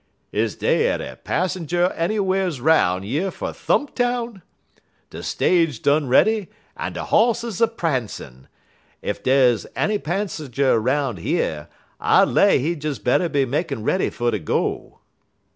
"Is dey a'er passenger anywhar's 'roun' yer fer Thumptown? De stage done ready en de hosses a prancin'. Ef dey's a'er passenger 'roun' yer, I lay he des better be makin' ready fer ter go."